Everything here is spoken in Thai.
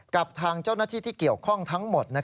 กับทางเจ้าหน้าที่ที่เกี่ยวข้องทั้งหมด